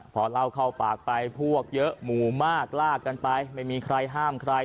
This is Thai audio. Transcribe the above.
พอเล่าเข้าปากไปพวกเยอะหมู่มากลากกันไปไม่มีใครห้ามใคร